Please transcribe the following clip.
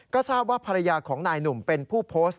ก็ทราบว่าภรรยาของนายหนุ่มเป็นผู้โพสต์